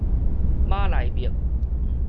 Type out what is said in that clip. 馬來貘